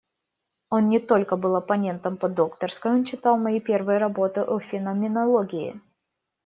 Он не только был оппонентом по докторской, он читал мои первые работы о феноменологии.